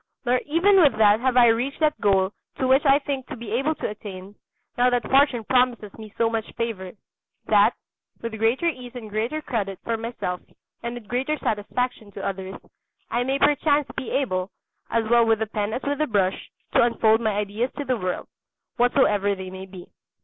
Nor even with that have I reached that goal to which I think to be able to attain, now that Fortune promises me so much favour, that, with greater ease and greater credit for myself and with greater satisfaction to others, I may perchance be able, as well with the pen as with the brush, to unfold my ideas to the world, whatsoever they may be.